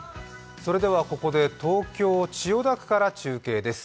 ここで東京・千代田区から中継です。